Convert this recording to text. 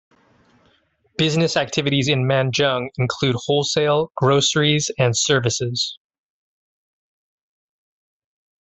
Business activities in Manjung include wholesale, groceries and services.